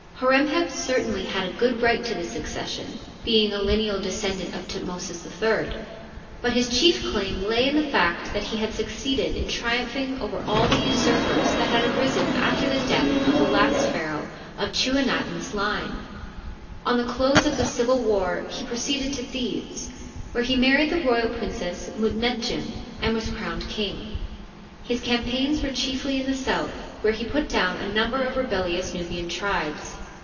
Hor em heb certainly had a good right to the succession, being a lineal descendant of Thutmosis III ; but his chief claim lay in the fact that he had succeeded in triumphing over all the usurpers that had arisen after the death of the last pharaoh of Chuenaten's line. On the close of the civil war he proceeded to Thebes, where he married the royal princess Mut netjem and was crowned king. His campaigns were chiefly in the south, where he put down a number of rebellious Nubian tribes.